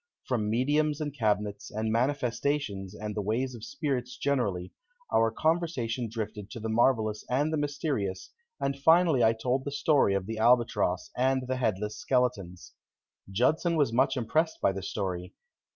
From mediums and cabinets, and manifestations and the ways of spirits generally, our conversation drifted to the marvelous and the mysterious, and finally I told the story of the Albatross and the headless skeletons. Judson was much impressed by the story.